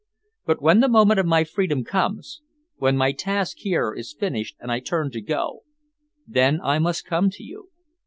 But when the moment of my freedom comes, when my task here is finished and I turn to go, then I must come to you."